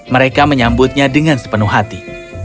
mereka menyambutnya dengan sepenuh hati